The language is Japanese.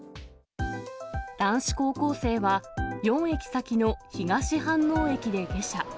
男子高校生は、４駅先の東飯能駅で下車。